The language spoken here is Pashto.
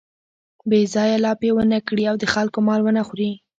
بې ځایه لاپې و نه کړي او د خلکو مال و نه خوري.